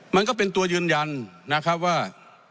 มันก็เป็นตัวยืนยันนะครับว่า